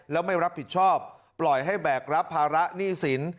แล้วไม่รับผิดชอบปล่อยให้แบกรับภาระหนี้สิน